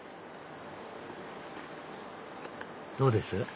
どうです？